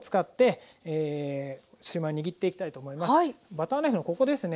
バターナイフのここですね。